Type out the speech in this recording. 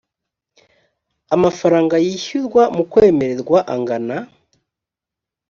amafaranga yishyurwa mu kwemererwa angana